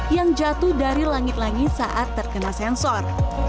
yang jatuh dari langit langit saat terkena sensor